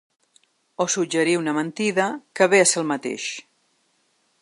O suggerir una mentida, que ve a ser el mateix.